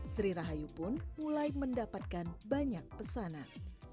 sri rahayu pun mulai mendapatkan banyak pesanan